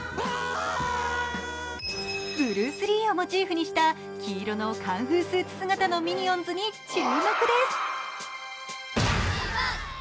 ブルース・リーをモチーフにした黄色のカンフースーツ姿のミニオンズに注目です。